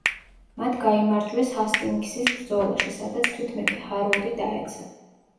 მათ გაიმარჯვეს ჰასტინგსის ბრძოლაში, სადაც თვით მეფე ჰაროლდი დაეცა.